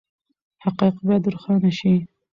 حقایق باید روښانه شي.